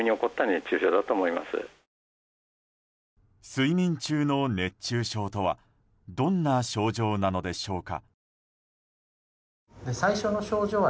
睡眠中の熱中症とはどんな症状なのでしょうか。